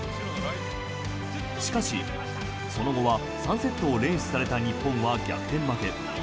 しかし、その後は３セットを連取された日本は逆転負け。